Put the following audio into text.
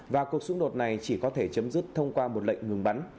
và cuộc xung đột này chỉ có thể chấm dứt thông qua một lệnh ngừng bắn